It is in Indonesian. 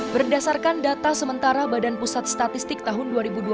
berdasarkan data sementara badan pusat statistik tahun dua ribu dua puluh